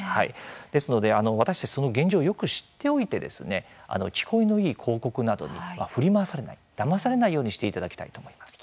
ですので、私たちはその現状をよく知っておいて聞こえのいい広告などに振り回されないだまされないようにしていただきたいと思います。